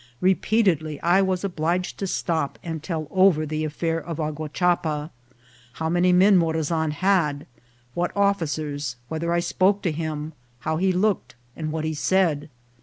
Repeatedly I was obliged to stop and tell over the affair of Aguachapa ; how many men Morazan had ; what officers ; whether I spoke to him ; how he looked, and what he said.